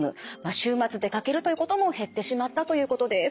週末出かけるということも減ってしまったということです。